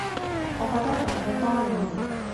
我覺得仲要多練